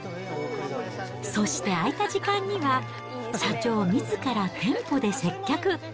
そして空いた時間には、社長みずから店舗で接客。